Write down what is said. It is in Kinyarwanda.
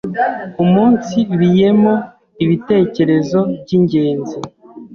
iumunsibiyemo ibitekerezo by’ingenzi